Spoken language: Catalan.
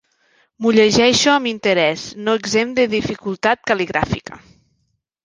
M'ho llegeixo amb interès no exempt de dificultat cal·ligràfica.